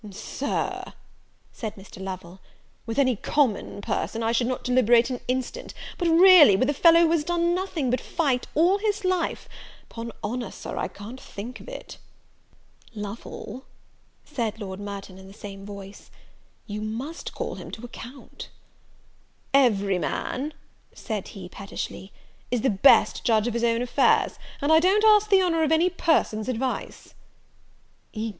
"Sir," said Mr. Lovel, "with any common person I should not deliberate an instant; but really with a fellow who has done nothing but fight all his life, 'pon honour, Sir, I can't think of it!" "Lovel," said Lord Merton, in the same voice, "you must call him to account." "Every man," said he, pettishly, "is the best judge of his own affairs; and I don't ask the honour of any person's advice."